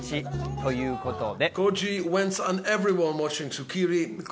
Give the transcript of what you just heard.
ということで。